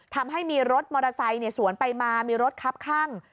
ทำให้มีรถมอเตอร์ไซค์สวนไปมามีรถคับข้าง